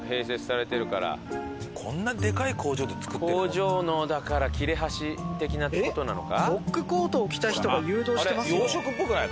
工場のだから切れ端的な事なのか？